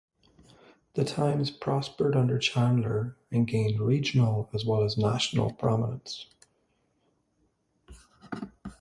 The "Times" prospered under Chandler, and gained regional, as well as national, prominence.